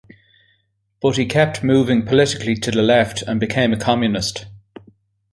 But he kept moving politically to the left and became a Communist.